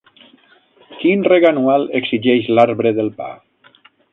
Quin reg anual exigeix l'arbre del pa?